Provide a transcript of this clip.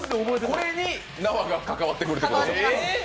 これに縄が関わってくるということ？